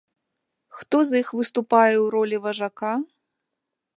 Хто з іх выступае ў ролі важака?